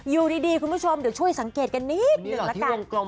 อยู่ดีคุณผู้ชมเดี๋ยวช่วยสังเกตกันนิดหนึ่งละกัน